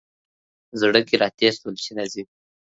په زړه کي را تېر شول چي راځي !